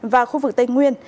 và khu vực tây nguyên